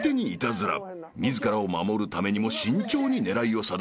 ［自らを守るためにも慎重に狙いを定め］